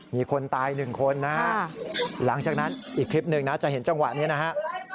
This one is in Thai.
มีคนตายหนึ่งคนนะฮะหลังจากนั้นอีกคลิปหนึ่งนะจะเห็นจังหวะนี้นะฮะ